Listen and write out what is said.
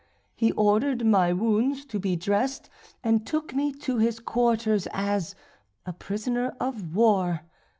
He ordered my wounds to be dressed, and took me to his quarters as a prisoner of war.